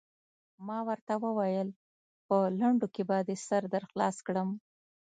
ما ورته وویل: په لنډو کې به دې سر در خلاص کړم.